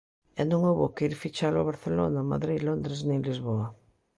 E non houbo que ir fichalo a Barcelona, Madrid, Londres nin Lisboa.